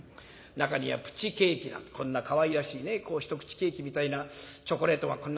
中にはプチケーキなんてこんなかわいらしいね一口ケーキみたいなチョコレートはこんな。